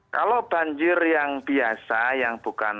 kalau banjir yang biasa yang bukan